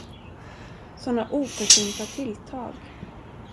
Sådana oförsynta tilltag!